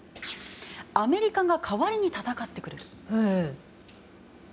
アメリカが代わりに戦ってくれると。